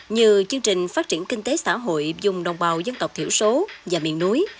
như chương trình phát triển kinh tế xã hội dùng đồng bào dân tộc thiểu số và miền núi